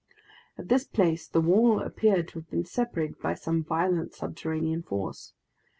At this place the wall appeared to have been separated by some violent subterranean force.